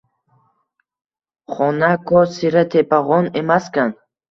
Xanako sira tepag`on emaskan